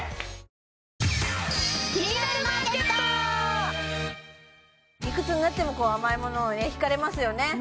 いくつになっても甘いものひかれますよね